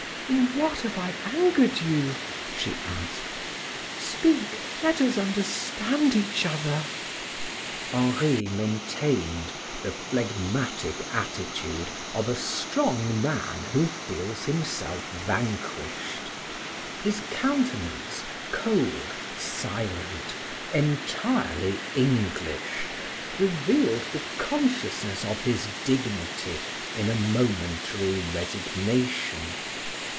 "In what have I angered you?" she asked. "Speak, let us understand each other." Henri maintained the phlegmatic attitude of a strong man who feels himself vanquished; his countenance, cold, silent, entirely English, revealed the consciousness of his dignity in a momentary resignation.